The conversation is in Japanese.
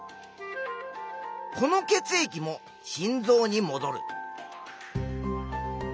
この血液も心臓にもどる。